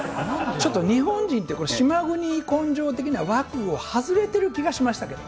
ちょっと日本人って、島国根性的な枠を外れてる気がしましたけど。